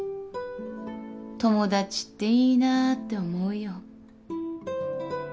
友達っていいなぁって思うよ。